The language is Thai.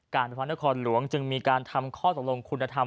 ไฟฟ้านครหลวงจึงมีการทำข้อตกลงคุณธรรม